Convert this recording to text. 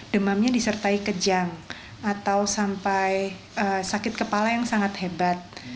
demamnya disertai kejang atau sampai sakit kepala yang sangat hebat